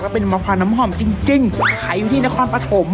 ก็เป็นมะพราร้ำหอมจริงจริงขายอยู่ที่นครประถม